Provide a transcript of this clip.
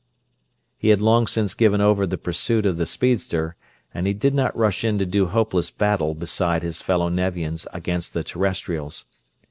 He had long since given over the pursuit of the speedster, and he did not rush in to do hopeless battle beside his fellow Nevians against the Terrestrials.